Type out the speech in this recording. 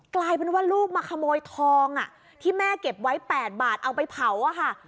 กลายเป็นว่าลูกมาขโมยทองที่แม่เก็บไว้๘บาทเอาไปเผาอะค่ะ